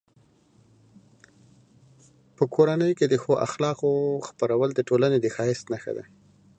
په کورنۍ کې د ښو اخلاقو خپرول د ټولنې د ښایست نښه ده.